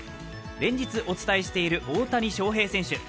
連日お伝えしている大谷翔平選手。